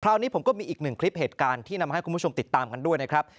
นี้ผมก็มีอีกหนึ่งคลิปเหตุการณ์ที่นำมาให้คุณผู้ชมติดตามกันด้วยนะครับ